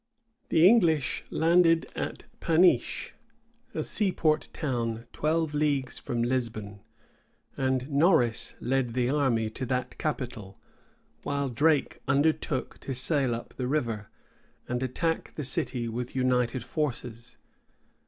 The English landed at Paniche, a seaport town twelve leagues from Lisbon, and Norris led the army to that capital, while Drake undertook to sail up the river, and attack the city with united forces.